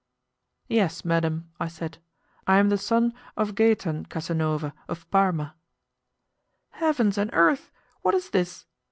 "Yes, madam," I said, "I am the son of Gaetan Casanova, of Parma." "Heavens and earth! what is this?